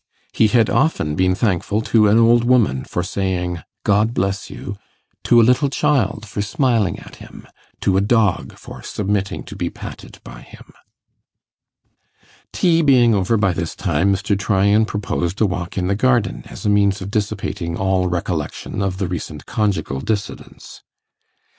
He had often been thankful to an old woman for saying 'God bless you'; to a little child for smiling at him; to a dog for submitting to be patted by him. Tea being over by this time, Mr. Tryan proposed a walk in the garden as a means of dissipating all recollection of the recent conjugal dissidence.